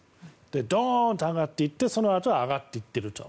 ドーンと上がっていってそのあとは上がっていってると。